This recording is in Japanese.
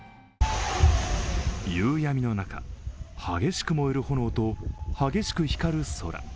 夕闇の中、激しく燃える炎と激しく光る空。